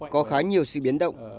có khá nhiều sự biến động